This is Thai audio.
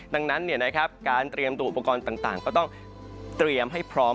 ดังนั้นการเตรียมตัวอุปกรณ์ต่างก็ต้องเตรียมให้พร้อม